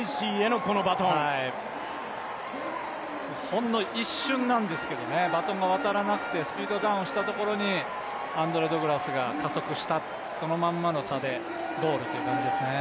ほんの一瞬なんですけどバトンが渡らなくてスピードダウンしたところにアンドレ・ド・グラスが加速したそのままの差でゴールという感じですね。